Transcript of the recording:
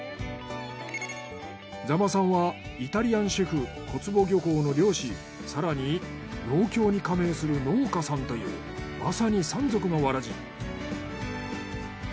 座間さんはイタリアンシェフ小坪漁港の漁師更に農協に加盟する農家さんというまさに三足のわらじ。